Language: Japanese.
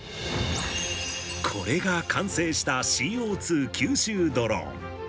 これが完成したＣＯ２吸収ドローン。